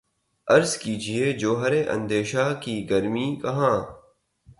عرض کیجے جوہر اندیشہ کی گرمی کہاں